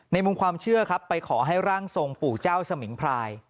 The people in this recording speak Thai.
มุมความเชื่อครับไปขอให้ร่างทรงปู่เจ้าสมิงพราย